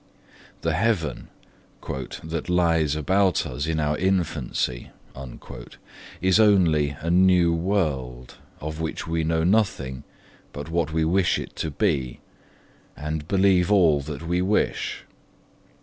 The heaven 'that lies about us in our infancy' is only a new world, of which we know nothing but what we wish it to be, and believe all that we wish.